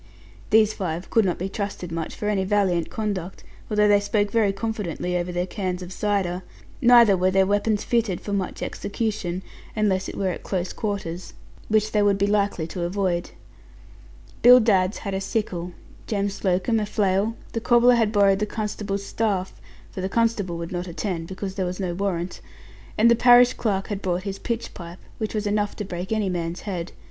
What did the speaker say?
These five could not be trusted much for any valiant conduct, although they spoke very confidently over their cans of cider. Neither were their weapons fitted for much execution, unless it were at close quarters, which they would be likely to avoid. Bill Dadds had a sickle, Jem Slocombe a flail, the cobbler had borrowed the constable's staff (for the constable would not attend, because there was no warrant), and the parish clerk had brought his pitch pipe, which was enough to break any man's head.